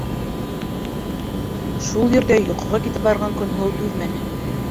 Шул ерҙә йоҡоға китеп барған Көнһылыу түҙмәне: